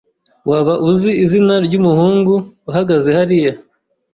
Waba uzi izina ryumuhungu uhagaze hariya?